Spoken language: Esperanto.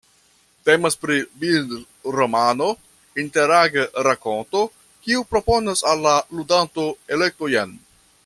Temas pri bildromano, interaga rakonto kiu proponas al la ludanto elektojn.